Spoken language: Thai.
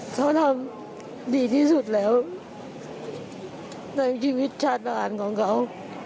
เขาทำดีที่สุดแล้วในชีวิตชาติอาหารของเขา